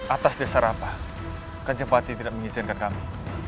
atas dasar apa kanjengpati tidak mengizinkan kami